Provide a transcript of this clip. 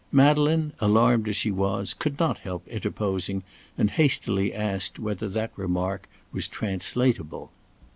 Madeleine, alarmed as she was, could not help interposing, and hastily asked whether that remark was translatable.